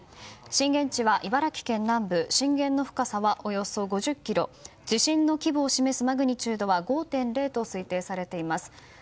震源地は茨城県南部震源の深さはおよそ５０ｋｍ地震の規模を示すマグニチュードは５．０と推定されます。